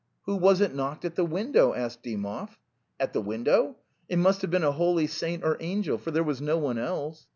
..." "Who was it knocked at the window?" asked Dymovy. 'At the window? It must have been a holy saint or angel, for there was no one else.